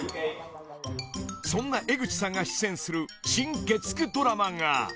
［そんな江口さんが出演する新月９ドラマが］